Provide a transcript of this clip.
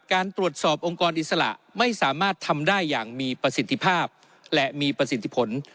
การตรวจสอบองค์กรอิสระไม่สามารถทำได้อย่างมีประสิทธิภาพและมีประสิทธิผล